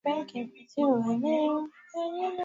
yakiunganishwa na chokaa ambayo ililowekwa kwa muda mrefu